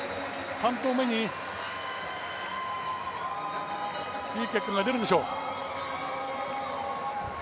３投目にいい結果が出るでしょう。